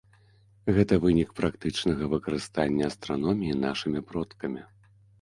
Гэта вынік практычнага выкарыстання астраноміі нашымі продкамі.